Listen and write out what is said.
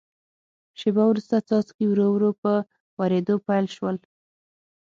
شیبه وروسته څاڅکي ورو ورو په ورېدو پیل شول.